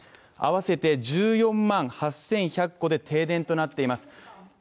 合わせて１４万８１００戸で停電となっています。